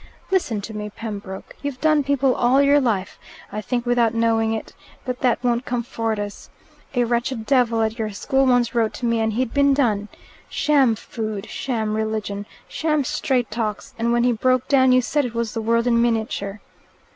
Listen to me, Pembroke. You've done people all your life I think without knowing it, but that won't comfort us. A wretched devil at your school once wrote to me, and he'd been done. Sham food, sham religion, sham straight talks and when he broke down, you said it was the world in miniature."